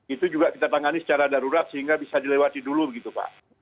itu juga kita tangani secara darurat sehingga bisa dilewati dulu begitu pak